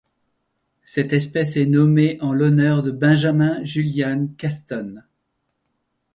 Cette espèce est nommée en l'honneur de Benjamin Julian Kaston.